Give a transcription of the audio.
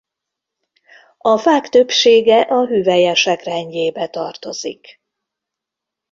A fák többsége a hüvelyesek rendjébe tartozik.